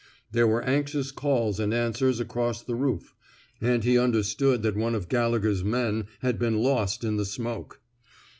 There were anxious calls and answers across the roof, and he understood that one of Galle gher's men had been lost in the smoke.